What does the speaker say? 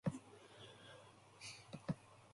Kazantsev is married and has two children.